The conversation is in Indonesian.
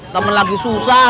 temen lagi susah